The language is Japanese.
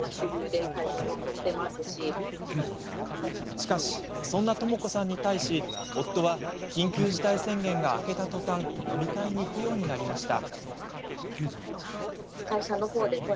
しかし、そんなともこさんに対し夫は緊急事態宣言が明けたとたん飲み会に行くようになりました。